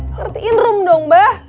ngertiin rum dong bah